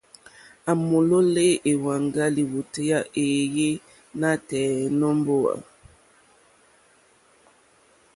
À mòlólɛ́ èwàŋgá lìwòtéyá éèyé nǎtɛ̀ɛ̀ nǒ mbówà.